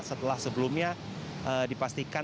setelah sebelumnya dipastikan